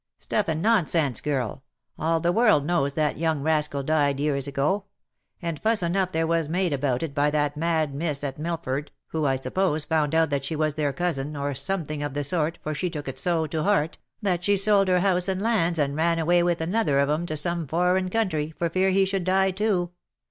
" Stuff and nonsense, girl ! All the world knows that young rascal died years ago ; and fuss enough there was made about it by that mad miss at Milford, who I suppose, found out that she was their cousin, or something of the sort, for she took it so to heart, that she sold her house and lands, and ran away with another of 'em to some foreign country, for fear he should die too.